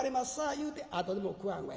言うてあとでも食わんわい。